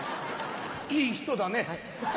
いい人だね。